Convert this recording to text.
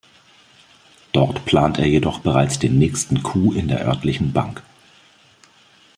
Dort plant er jedoch bereits den nächsten Coup in der örtlichen Bank.